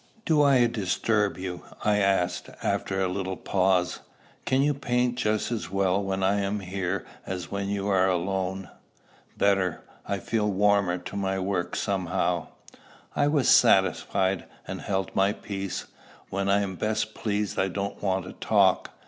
"Do I disturb you?" I asked, after a little pause. "Can you paint just as well when I am here as when you are alone?" "Better. I feel warmer to my work somehow." I was satisfied, and held my peace. When I am best pleased I don't want to talk.